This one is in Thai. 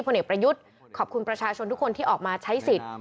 เอกประยุทธ์ขอบคุณประชาชนทุกคนที่ออกมาใช้สิทธิ์